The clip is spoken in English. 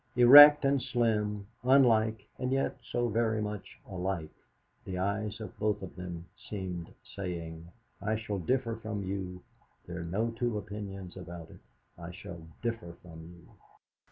Erect and slim, unlike and yet so very much alike, the eyes of both of them seemed saying: '. shall differ from you; there are no two opinions about it. I shall differ from you!'